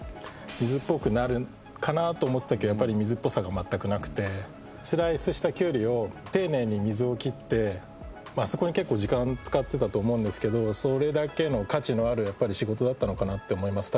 水っぽくなるかなと思ってたけどやっぱりスライスしたきゅうりを丁寧に水を切ってあそこに結構時間使ってたと思うんですけどそれだけの価値のある仕事だったのかなって思います